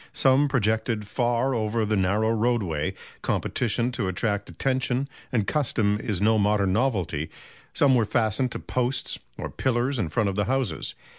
Some projected far over the narrow roadway competition to attract attention and custom is no modern novelty some were fastened to posts or pillars in front of the houses.